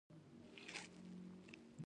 د ګلستان حکایتونه به یې بیانول.